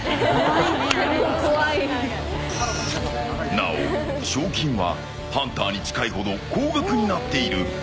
なお賞金はハンターに近いほど高額になっている。